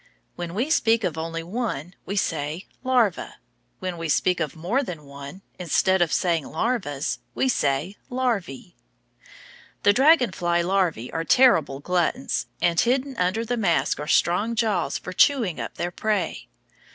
When we speak of only one we say "larva"; when we speak of more than one, instead of saying "larvas," we say "larvæ." The dragon fly larvæ are terrible gluttons, and hidden under the mask are strong jaws for chewing up their prey.